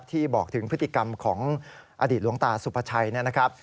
บอกถึงพฤติกรรมของอดีตหลวงตาสุภาชัยนะครับ